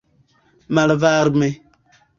malvarme